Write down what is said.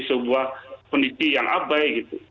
sebuah kondisi yang abai